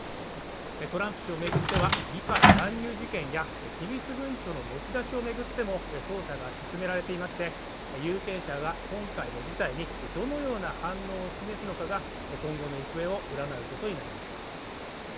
トランプ氏を巡っては、議会乱入事件や機密文書の持ち出しを巡っても捜査が進められていまして、有権者が、今回の事態にどのような反応を示すのかが今後の行方を占うことになります。